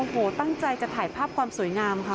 โอ้โหตั้งใจจะถ่ายภาพความสวยงามค่ะ